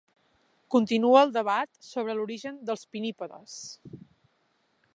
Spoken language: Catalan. Continua el debat sobre l'origen dels pinnípedes.